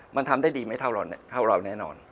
มันทำได้ดีไม่เท่าเราแน่นอน